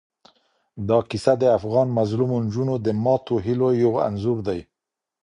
دا کیسه د افغان مظلومو نجونو د ماتو هیلو یو انځور دی.